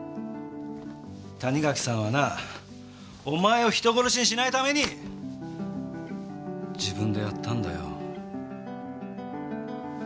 谷垣さんはなお前を人殺しにしないために自分でやったんだよ。